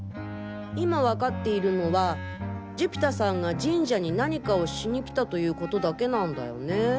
今わかっているのは寿飛太さんが神社に何かをしに来たということだけなんだよね